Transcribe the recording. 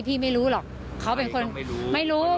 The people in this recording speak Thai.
ไม่รู้หรอกเขาเป็นคนไม่รู้